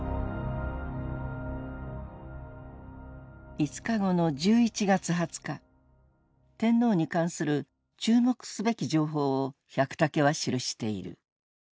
５日後の１１月２０日天皇に関する注目すべき情報を百武は記している。